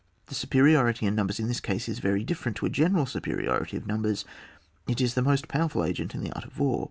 The superiority in numbers in this case is very different to a general superiority of numbers ; it is the most powerful agent in the art of war.